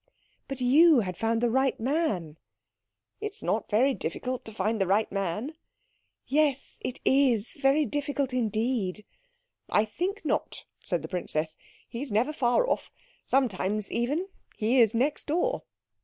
"But you had found the right man." "It is not very difficult to find the right man." "Yes it is very difficult indeed." "I think not," said the princess. "He is never far off. Sometimes, even, he is next door."